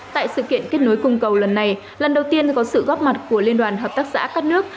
tại sự kiện kết nối cung cầu lần này lần đầu tiên có sự góp mặt của liên đoàn hợp tác xã các nước